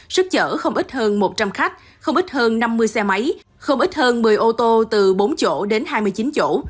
sức chở không ít hơn một trăm linh khách không ít hơn năm mươi xe máy không ít hơn một mươi ô tô từ bốn chỗ đến hai mươi chín chỗ